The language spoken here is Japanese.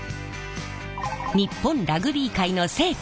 日本ラグビー界の聖地